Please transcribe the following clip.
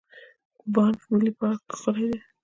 د بانف ملي پارک ښکلی دی.